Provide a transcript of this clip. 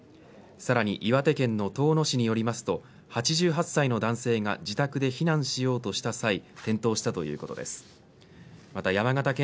さらに岩手県の遠野市によりますと８８歳の男性が自宅で避難しようとした際